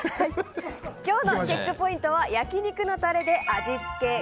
今日のチェックポイントは焼き肉のタレで味付け！